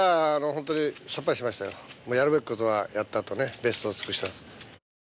本当にさっぱりしましたよ、やるべきことはやったと、ベストを尽くしたと。